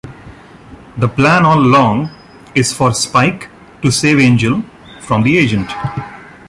The plan all along is for Spike to save Angel from the agent.